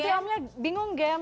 nanti omnya bingung gem